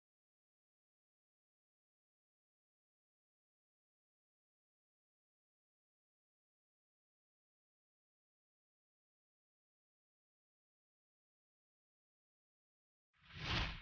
kedatangan saya kesini untuk niat baik mak